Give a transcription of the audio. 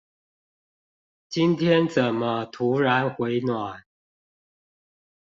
今天怎麼突然回暖